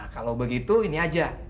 kalau begitu ini aja